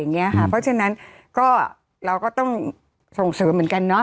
เพราะฉะนั้นก็เราก็ต้องส่งเสริมเหมือนกันเนาะ